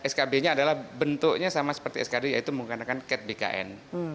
skb nya adalah bentuknya sama seperti skd yaitu menggunakan cat bkn